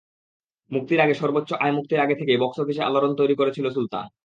মুক্তির আগে সর্বোচ্চ আয়মুক্তির আগে থেকেই বক্স অফিসে আলোড়ন তৈরি করেছিল সুলতান।